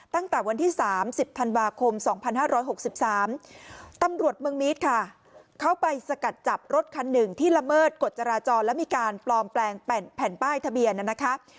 ตั้งแต่วันที่๓๐ธันวาคม๒๕๖๓ตำรวจเมืองมีดค่ะเข้าไปสกัดจับรถคันหนึ่งที่ละเมิดกฎจราจรและมีการปลอมแปลงแผ่นป้ายทะเบียนนะคะ